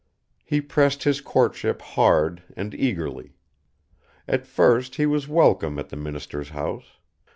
He pressed his courtship hard and eagerly. At first he was welcome at the minister's house.